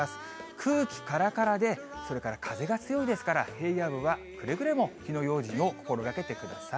空気からからで、それから風が強いですから、平野部はくれぐれも火の用心を心がけてください。